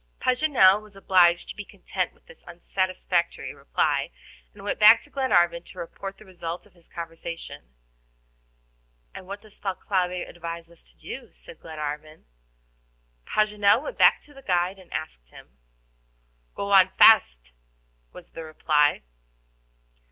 Paganel was obliged to be content with this unsatisfactory reply, and went back to Glenarvan to report the result of his conversation. "And what does Thalcave advise us to do?" said Glenarvan. Paganel went back to the guide and asked him. "Go on fast," was the reply.